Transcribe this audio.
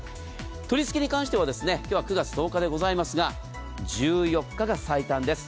取り付けに関しては今日は９月１０日でございますが１４日が最短です。